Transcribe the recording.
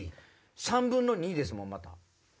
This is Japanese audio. ３分の２ですもんまた。